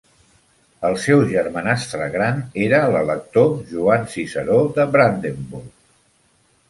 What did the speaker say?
El seu germanastre gran era l'elector Joan Ciceró de Brandenburg.